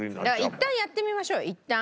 いったんやってみましょうよいったん。